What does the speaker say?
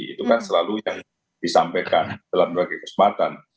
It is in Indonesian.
itu kan selalu yang disampaikan dalam berbagai kesempatan